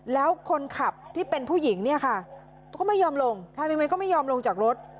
แล้วคนขับที่เป็นผู้หญิงเนี่ยค่ะก็ไม่ยอมลงทำไมก็ไม่ยอมลงจากรถ